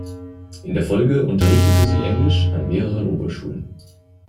In der Folge unterrichtete sie Englisch an mehreren Oberschulen.